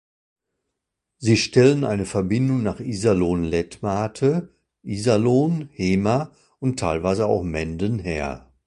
Sie stellen eine Verbindungen nach Iserlohn-Letmathe, Iserlohn, Hemer und teilweise auch Menden her.